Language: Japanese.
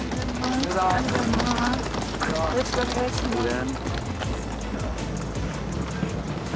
よろしくお願いします。